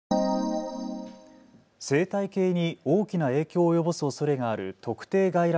生態系に大きな影響を及ぼすおそれがある特定外来